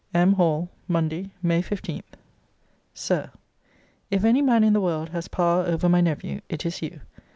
] M. HALL, MONDAY, MAY 15. SIR, If any man in the world has power over my nephew, it is you.